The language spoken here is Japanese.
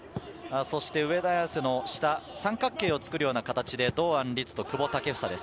上田綺世の下、三角形を作るような形で堂安律と久保建英です。